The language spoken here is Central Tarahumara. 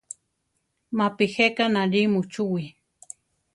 Mapi jéka náli muchúwi.